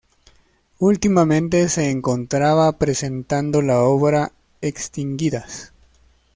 Últimamente se encontraba presentando la obra "Extinguidas".